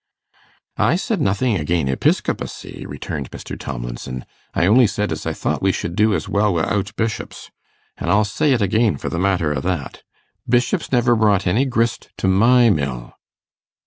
'I said nothing again' Episcopacy,' returned Mr. Tomlinson. 'I only said I thought we should do as well wi'out bishops; an' I'll say it again for the matter o' that. Bishops never brought any grist to my mill.